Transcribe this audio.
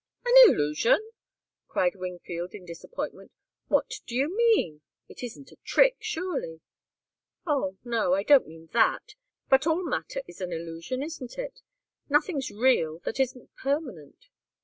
"An illusion!" cried Wingfield, in disappointment. "What do you mean? It isn't a trick, surely!" "Oh, no! I don't mean that. But all matter is an illusion, isn't it? Nothing's real that isn't permanent."